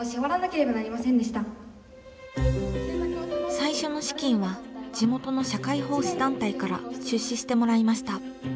最初の資金は地元の社会奉仕団体から出資してもらいました。